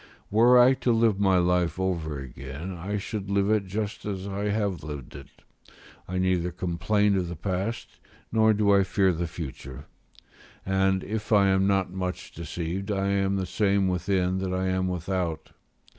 Were I to live my life over again, I should live it just as I have lived it; I neither complain of the past, nor do I fear the future; and if I am not much deceived, I am the same within that I am without.